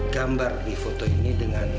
gambar di foto ini dengan